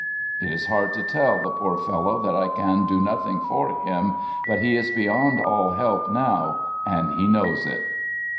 ... It is hard to tell the poor fellow that I can do nothing for him, but he is beyond all help now and he knows it.